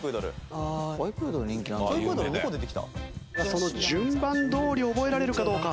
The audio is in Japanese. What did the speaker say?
その順番どおり覚えられるかどうか。